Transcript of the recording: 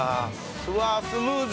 うわぁスムーズ！